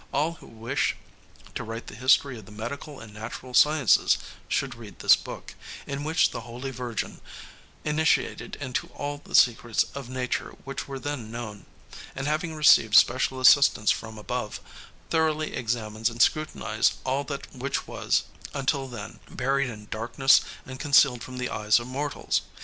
All who wish to write the history of the medical and natural sciences should read this book, in which the holy virgin, initiated into all the secrets of nature which were then known, and having received special assistance from above, thoroughly examines and scrutinizes all that which was, until then, buried in darkness and concealed from the eyes of mortals.